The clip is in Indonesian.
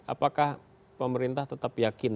apakah pemerintah tetap yakin